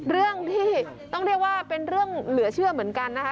เรื่องที่ต้องเรียกว่าเป็นเรื่องเหลือเชื่อเหมือนกันนะคะ